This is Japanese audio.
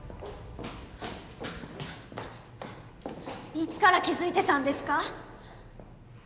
いつから気づいてたんですか？